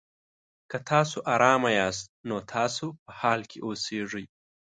که تاسو ارامه یاست؛ نو تاسو په حال کې اوسېږئ.